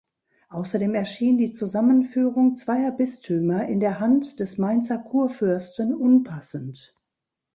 Außerdem erschien die Zusammenführung zweier Bistümer in der Hand des Mainzer Kurfürsten unpassend.